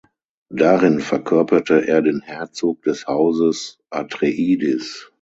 Darin verkörperte er den Herzog des Hauses Atreides.